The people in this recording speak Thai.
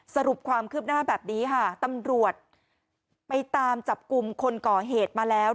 สรุปความคืบหน้าแบบนี้ค่ะตำรวจไปตามจับกลุ่มคนก่อเหตุมาแล้ว